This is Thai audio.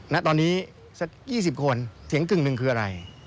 ณตอนนี้สัก๒๐คนเสียงกึ่งหนึ่งคืออะไร